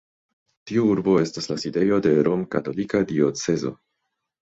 Tiu urbo estas la sidejo de romkatolika diocezo.